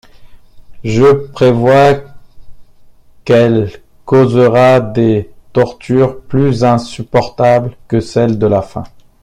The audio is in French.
Je prévois qu’elle causera des tortures plus insupportables que celles de la faim.